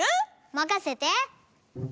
まかせて！